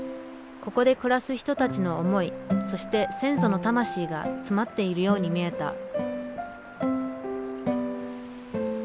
ここで暮らす人たちの思いそして先祖の魂が詰まっているように見えた。